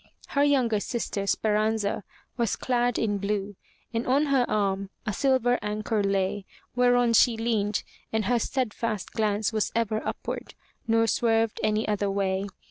Her younger sister, Speranza, was clad in blue, and on her arm a silver anchor lay, whereon she leaned, and her 41 MY BOOK HOUSE steadfast glance was ever upward nor swerved any other way.